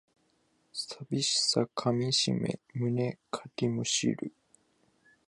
寂しさかみしめ胸かきむしる